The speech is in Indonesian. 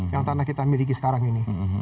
yang tanah kita miliki sekarang ini